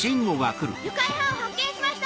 愉快犯を発見しました！